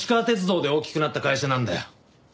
鐵道で大きくなった会社なんだよ。